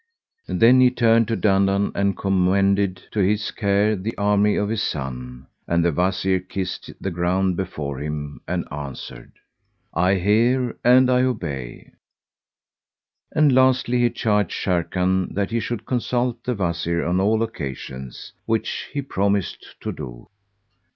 [FN#158] Then he turned to Dandan and commended to his care the army of his son; and the Wazir kissed the ground before him and answered, "I hear and I obey;" and lastly he charged Sharrkan that he should consult the Wazir on all occasions, which he promised to do.